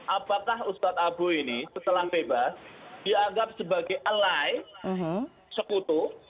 apakah ustadz abu ini setelah bebas dianggap sebagai alai sekutu